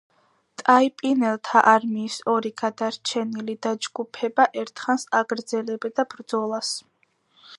ტაიპინელთა არმიის ორი გადარჩენილი დაჯგუფება ერთხანს აგრძელებდა ბრძოლას.